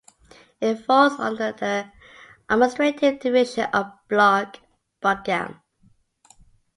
It falls under the administrative division of block Budgam.